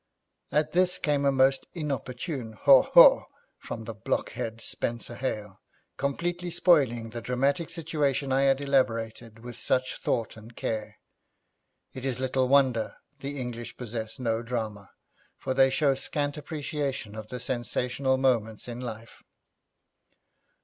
At this came a most inopportune 'Haw haw' from that blockhead Spenser Hale, completely spoiling the dramatic situation I had elaborated with such thought and care. It is little wonder the English possess no drama, for they show scant appreciation of the sensational moments in life.